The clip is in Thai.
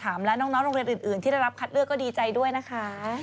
และน้องโรงเรียนอื่นที่ได้รับคัดเลือกก็ดีใจด้วยนะคะ